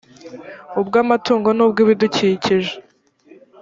ubw amatungo n ubw ibidukikije